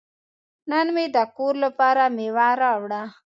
نن مې د کور لپاره میوه راوړه.